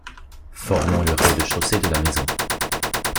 formant le rez-de-chaussée de la maison.